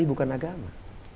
itu bukan agama